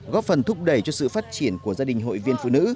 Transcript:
góp phần thúc đẩy cho sự phát triển của gia đình hội viên phụ nữ